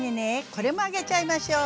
これも揚げちゃいましょう。